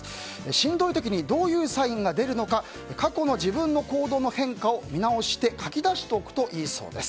しんどい時にどういうサインが出るのか過去の自分の行動の変化を見直して書き出しておくといいそうです。